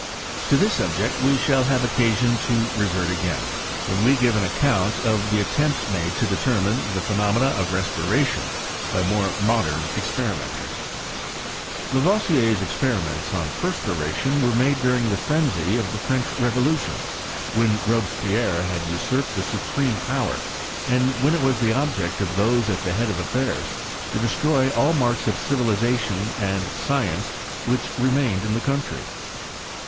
To this subject we shall have occasion to revert a^in, when we give an account of the attempts made to determine the phe nomena of respiration by more modern experimentera. Lavoisier's experiments on perspiration were made during the frenzy of the French revolution, when Robespierre had usurped the supreme power, and when it was the object of those at the head of affairs to destroy all the marks of civiliiotion and science which remained in the country.